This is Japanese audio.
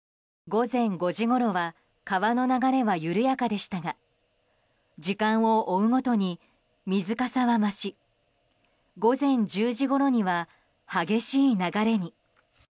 午前５時ごろは川の流れは緩やかでしたが時間を追うごとに水かさは増し午前１０時ごろには激しい流れに。